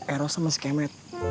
erus sama si kemnya